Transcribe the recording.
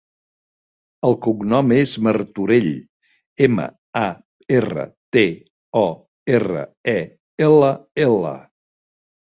El cognom és Martorell: ema, a, erra, te, o, erra, e, ela, ela.